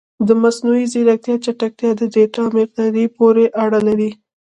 د مصنوعي ځیرکتیا چټکتیا د ډیټا مقدار پورې اړه لري.